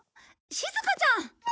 しずかちゃん！